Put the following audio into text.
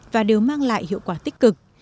và đều mang lại hiệu quả đặc biệt